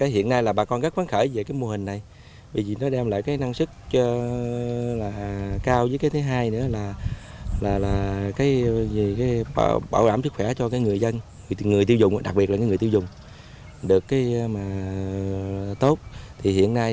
hiện nay bà con rất vấn khởi về mùa hình này